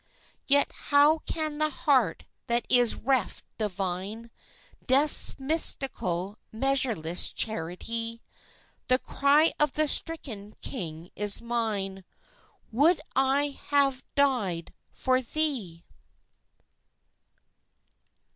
Yet how can the heart that is reft divine Death's mystical, measureless charity? The cry of the stricken king is mine: "Would I had died for thee!"